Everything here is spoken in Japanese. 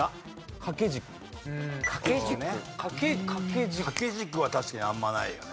掛け軸は確かにあんまりないよね。